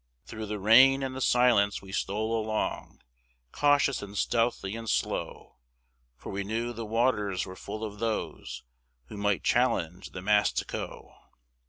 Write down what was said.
Through the rain and the silence we stole along, Cautious and stealthy and slow, For we knew the waters were full of those Who might challenge the Mastico.